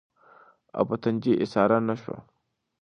او پۀ تندې ايساره نۀ شوه